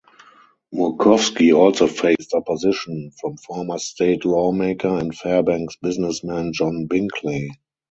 Murkowski also faced opposition from former state lawmaker and Fairbanks businessman John Binkley.